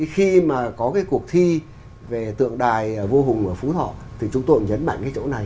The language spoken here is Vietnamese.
khi mà có cái cuộc thi về tượng đài vua hùng ở phú thọ thì chúng tôi cũng nhấn mạnh cái chỗ này